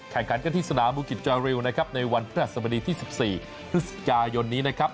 แข่งขันกันที่สนามบูกิจจาริวนะครับในวันพระสมดีที่๑๔พฤศจิกายนนี้นะครับ